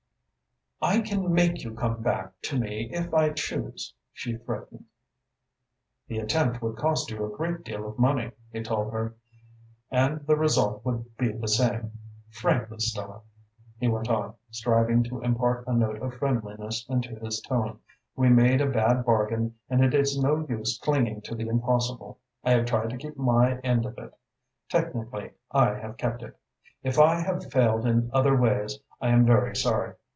"I can make you come back to me if I choose," she threatened. "The attempt would cost you a great deal of money," he told her, "and the result would be the same. Frankly, Stella," he went on, striving to impart a note of friendliness into his tone, "we made a bad bargain and it is no use clinging to the impossible. I have tried to keep my end of it. Technically I have kept it. If I have failed in other ways, I am very sorry.